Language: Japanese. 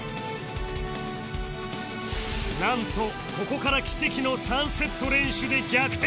なんとここから奇跡の３セット連取で逆転